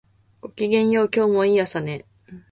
ごきげんよう、今日もいい朝ね